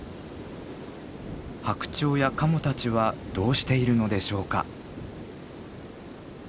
ハクチョウやカモたちはどうしているのでしょうか？